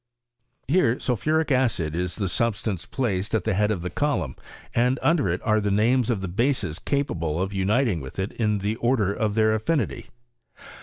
Here sulphuric acid is the substance placed at the head of the column, and under it are the names of the bases capable of uniting with it in the order of their affinity.